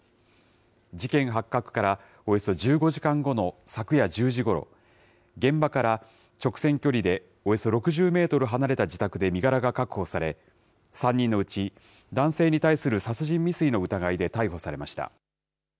事件発覚からおよそ１５時間後の昨夜１０時ごろ、現場から直線距離でおよそ６０メートル離れた自宅で身柄が確保され、３人のうち、男性に対する殺人未遂の疑いで逮捕されました。